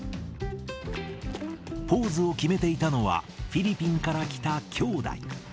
ポーズを決めていたのは、フィリピンから来た兄弟。